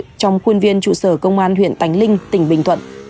trong khuôn viên trụ sở công an huyện tánh linh tỉnh bình thuận